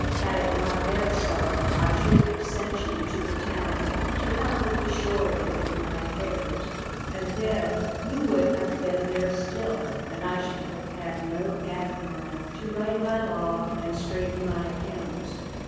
Had it not been so I should have sent you to the town to help with the shore end of my affairs, and then you would have been there still and I should have had no admiral to write my log and straighten my accounts."